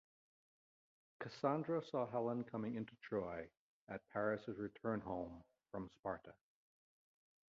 Cassandra saw Helen coming into Troy at Paris' return home from Sparta.